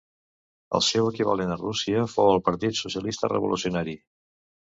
El seu equivalent a Rússia fou el Partit Social-Revolucionari.